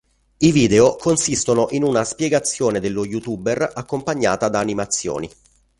I video consistono in una spiegazione dello youtuber accompagnata da animazioni.